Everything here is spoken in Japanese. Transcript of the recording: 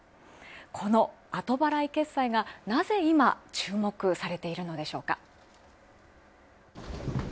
この後払い決済がなぜ今注目されているのでしょうか？